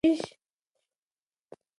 که تشویق وي نو ذهن نه مړاوی کیږي.